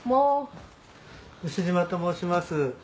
牛島と申します。